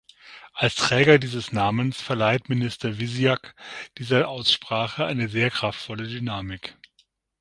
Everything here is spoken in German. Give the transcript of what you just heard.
Als Träger dieses Namens verleiht Minister Vizjak dieser Aussprache eine sehr kraftvolle Dynamik.